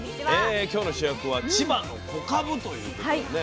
今日の主役は千葉の「小かぶ」ということでね